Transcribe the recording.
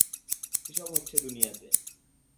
কী সব হচ্ছে দুনিয়াতে?